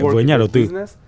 với nhà đầu tư